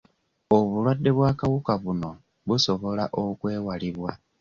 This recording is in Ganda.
Obulwadde bw'akawuka buno busobola okwewalibwa.